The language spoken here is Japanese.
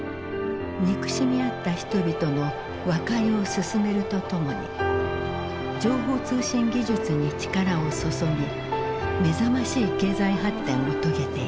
憎しみ合った人々の和解を進めるとともに情報通信技術に力を注ぎ目覚ましい経済発展を遂げている。